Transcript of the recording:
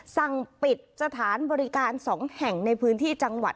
สั่งปิดสถานบริการ๒แห่งในพื้นที่จังหวัด